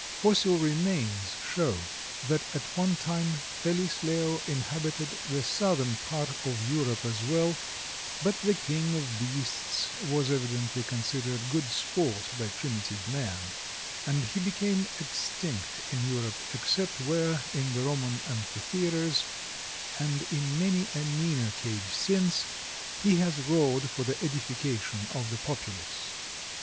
Fossil remains show that at one time Felis leo inhabited the southern part of Europe as well, but the king of beasts was evidently considered good sport by primitive man, and he became extinct in Europe except where, in the Roman amphitheatres, and in many a meaner cage since, he has roared for the edification of the populace.